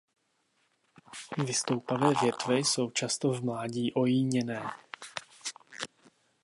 Vystoupavé větve jsou často v mládí ojíněné.